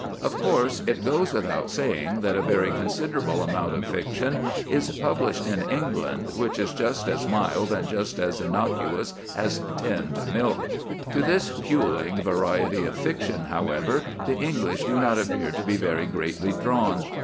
Of course, it goes without saying that a very considerable amount of fiction is published in England which is just as mild and just as innocuous as tinned milk. To this puling variety of fiction, however, the English do not appear to be very greatly drawn.